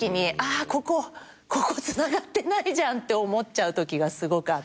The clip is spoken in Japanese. ここここつながってないじゃんって思っちゃうときがすごくあって。